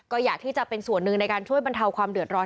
ก็อยากที่จะเป็นส่วนหนึ่งในการช่วยบรรเทาความเดือดร้อน